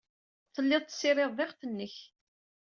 Telliḍ tessidireḍ iɣef-nnek.